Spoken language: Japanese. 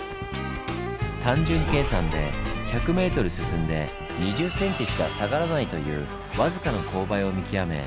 単純計算で１００ｍ進んで２０ｃｍしか下がらないというわずかな勾配を見極め